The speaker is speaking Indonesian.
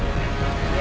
ya jangan ya